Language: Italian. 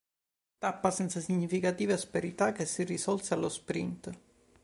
Tappa senza significative asperità che si risolse allo sprint.